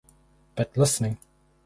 But listening.